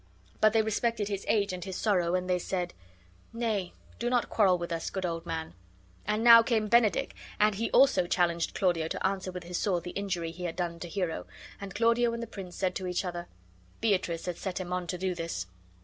But they respected his age and his sorrow, and they said: "Nay, do not quarrel with us, good old man." And now came Benedick, and be also challenged Claudio to answer with his sword the injury be had done to Hero; and Claudio and the prince said to each other: "Beatrice has set him on to do this."